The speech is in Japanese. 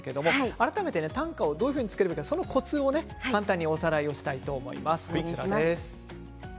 改めてどういうふうに作ればいいのか、そのコツを簡単におさらいします。